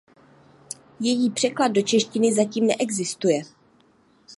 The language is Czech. Její překlad do češtiny zatím neexistuje.